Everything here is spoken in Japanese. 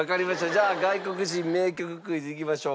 じゃあ外国人名曲クイズいきましょう。